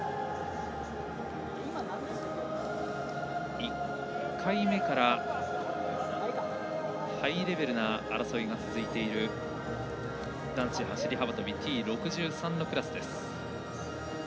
１回目からハイレベルな争いが続いている男子走り幅跳びＴ６３のクラス。